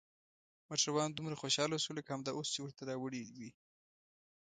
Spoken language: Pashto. موټروان دومره خوشحاله شو لکه همدا اوس چې ورته راوړي وي.